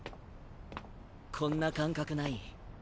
こんな感覚ない？